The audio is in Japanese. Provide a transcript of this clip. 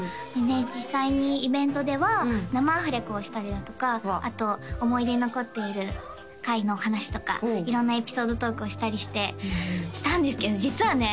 実際にイベントでは生アフレコをしたりだとかあと思い出に残っている回の話とか色んなエピソードトークをしたりしてしたんですけど実はね